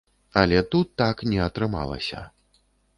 Але тут так не атрымалася.